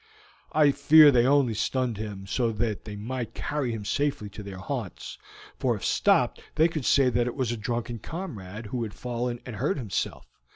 I fear they only stunned him, so that they might carry him safely to their haunts, for if stopped they could say that it was a drunken comrade, who had fallen and hurt himself.